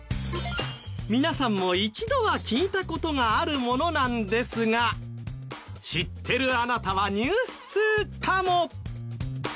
皆さんも一度は聞いた事があるものなんですが知ってるあなたはニュース通かも。